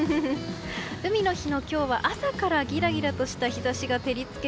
海の日の今日は、朝からギラギラとした日差しが照り付け